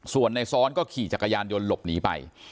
ส่วนในซ้อนก็ขี่จักรยานยนต์หลบหนีไป